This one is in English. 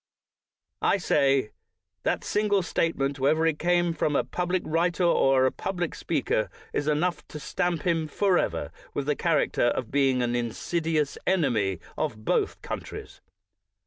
I say, that single statement, whether it came from a public writer or a public speaker, is enough to stamp him forever with the charac ter of being an insidious enemy of both^countries.